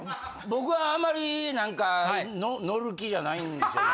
僕はあまり何か乗る気じゃないんですよね。